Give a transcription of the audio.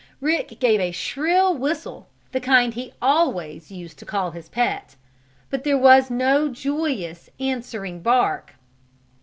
Rick gave a shrill whistle, the kind he always used to call his pet, but there was no joyous, answering bark.